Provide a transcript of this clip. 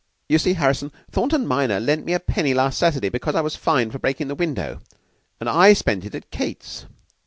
"You see, Harrison, Thornton minor lent me a penny last Saturday, because I was fined for breaking the window; and I spent it at Keyte's.